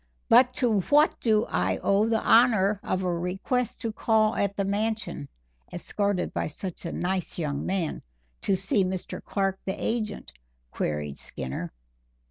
"But to what do I owe the honor of a request to call at the Mansion, escorted by such a nice young man, to see Mr. Clark, the agent?" queried Skinner.